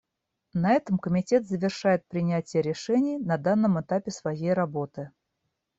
На этом Комитет завершает принятие решений на данном этапе своей работы.